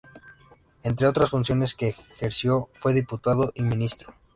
Entre otras funciones que ejerció, fue diputado y ministro.